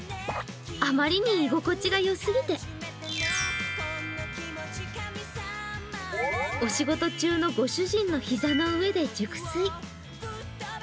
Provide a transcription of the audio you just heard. あまりに居心地がよすぎて、お仕事中のご主人の膝の上で熟睡。